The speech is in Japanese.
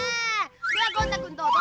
ではゴン太くんどうぞ。